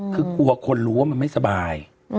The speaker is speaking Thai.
คือกลัวคนรู้ว่ามันไม่สบาย